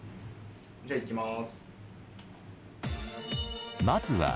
じゃあいきます。